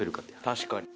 確かに。